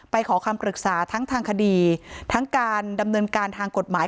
ขอคำปรึกษาทั้งทางคดีทั้งการดำเนินการทางกฎหมาย